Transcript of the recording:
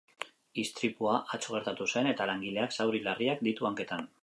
Istripua atzo gertatu zen eta langileak zauri larriak ditu hanketan.